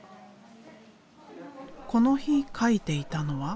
この日描いていたのは。